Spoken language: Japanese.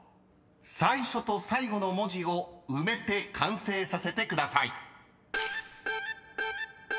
［最初と最後の文字を埋めて完成させてください］